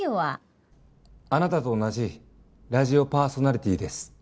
あなたと同じラジオパーソナリティーです。